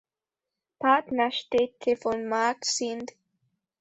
Partnerstädte von Mark sind